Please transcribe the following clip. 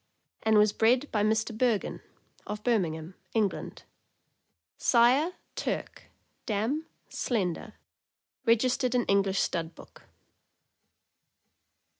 and was bred by Mr. Bergon, of Birmingham, England ; sire, Turk ; dam, Slendor ; reg istered in English Stud Book.